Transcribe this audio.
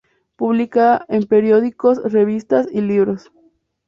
Publica en periódicos, revistas y libros.